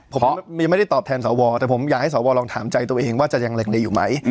ผมยังไม่ได้ตอบแทนสวแต่ผมอยากให้สวลองถามใจตัวเองว่าจะยังเหล็กดีอยู่ไหม